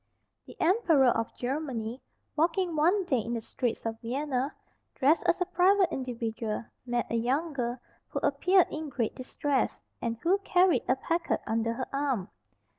The emperor of Germany, walking one day in the streets of Vienna, dressed as a private individual, met a young girl who appeared in great distress, and who carried a packet under her arm.